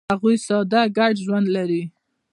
هغوی ساده ګډ ژوند لري.